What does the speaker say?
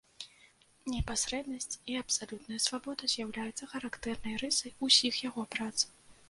Непасрэднасць і абсалютная свабода з'яўляюцца характэрнай рысай усіх яго прац.